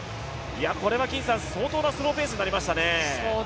これは相当なスローペースになりましたね。